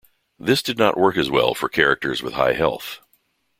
This did not work as well for characters with high health.